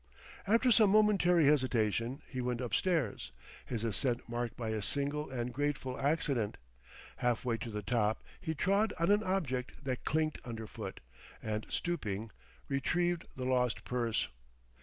After some momentary hesitation, he went up stairs, his ascent marked by a single and grateful accident; half way to the top he trod on an object that clinked underfoot, and, stooping, retrieved the lost purse.